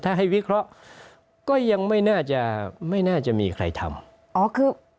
ถ้าให้วิเคราะห์ก็ยังไม่น่าจะไม่น่าจะมีใครทำ